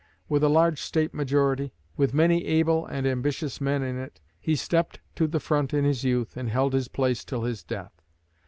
With a large State majority, with many able and ambitious men in it, he stepped to the front in his youth and held his place till his death.